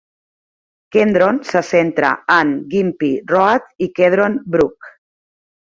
Kendron se centra en Gympie Road i Kedron Brook.